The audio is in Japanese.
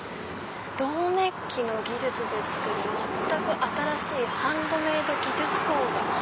「『銅めっき』の技術で作る全く新しいハンドメイド技術講座」。